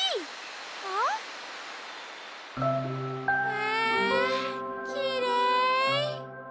わきれい。